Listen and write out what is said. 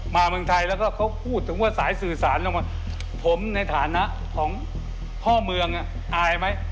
เมืองไทยแล้วก็เขาพูดถึงว่าสายสื่อสารลงมาผมในฐานะของพ่อเมืองอายไหม